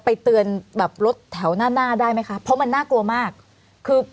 เตือนแบบรถแถวหน้าหน้าได้ไหมคะเพราะมันน่ากลัวมากคือ